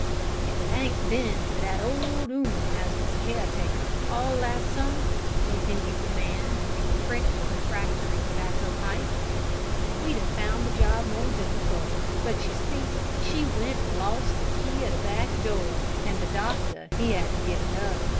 "If it hadn't bin for that old 'ooman as was care taker all last summer," continued the man, as he pricked a refractory tobacco pipe, "we'd 'ave found the job more difficult; but, you see, she went and lost the key o' the back door, and the doctor he 'ad to get another.